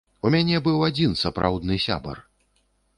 У мяне быў адзін сапраўдны сябар.